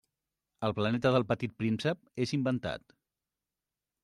El planeta del Petit Príncep és inventat.